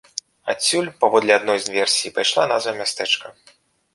Адсюль, паводле адной з версій, і пайшла назва мястэчка.